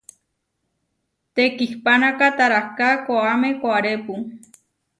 Tekihpanáka, taráhka koʼáme koʼárepu.